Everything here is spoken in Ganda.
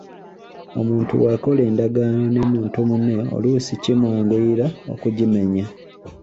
Omuntu bw’akola endagaano ne muntu munne oluusi kimwanguyira okugimenya.